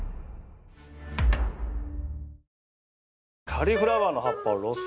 カリフラワーの葉っぱをロス